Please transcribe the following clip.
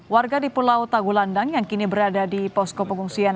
warga di pulau tagulandang yang kini berada di posko pengungsian